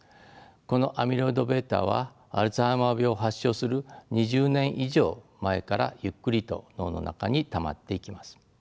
このアミロイドβはアルツハイマー病を発症する２０年以上前からゆっくりと脳の中にたまっていきます。